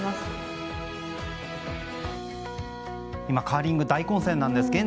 今カーリング大混戦なんです。